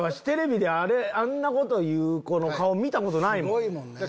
テレビであんなこと言う子の顔見たことないもん。